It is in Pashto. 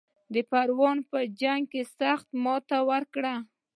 د پروان په جنګ کې سخته ماته ورکړه.